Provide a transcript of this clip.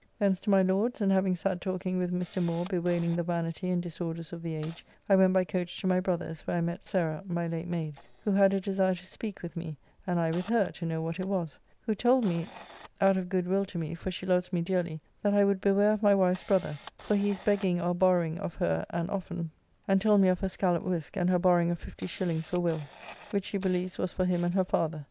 Thence to my Lord's, and having sat talking with Mr. Moore bewailing the vanity and disorders of the age, I went by coach to my brother's, where I met Sarah, my late mayde, who had a desire to speak with me, and I with her to know what it was, who told me out of good will to me, for she loves me dearly, that I would beware of my wife's brother, for he is begging or borrowing of her and often, and told me of her Scallop whisk, and her borrowing of 50s. for Will, which she believes was for him and her father.